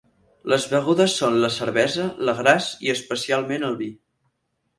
Les begudes són la cervesa, l'agràs, i especialment el vi.